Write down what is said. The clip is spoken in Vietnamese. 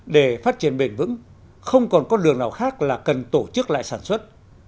để phát triển bền vững không còn con đường nào khác là cần tổ chức lại sản xuất